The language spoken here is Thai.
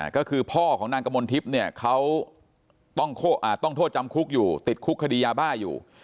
ก็คือพ่อของนางกมลทิพย์เนี่ยเขาต้องโทษจำคุกอยู่ติดคุกคดียาบ้าอยู่